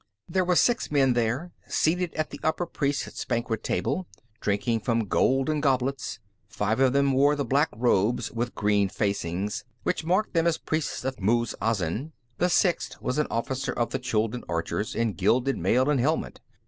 There were six men there, seated at the upper priests' banquet table, drinking from golden goblets. Five of them wore the black robes with green facings which marked them as priests of Muz Azin; the sixth was an officer of the Chuldun archers, in gilded mail and helmet.